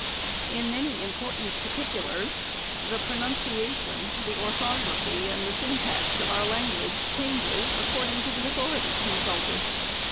In many im portant particulars, the pronunciation, the orthography, and the syntax of our language changes, according to the authority consulted.